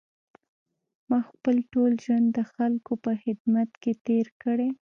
ما خپل ټول ژوند د خلکو په خدمت کې تېر کړی.